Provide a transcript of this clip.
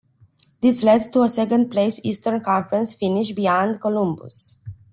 This led to a second place Eastern Conference finish behind Columbus.